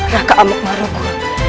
raka amat marahku